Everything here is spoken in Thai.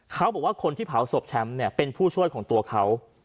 เขาบอกว่าคนที่เผาศพแชมป์เนี่ยเป็นผู้ช่วยของตัวเขา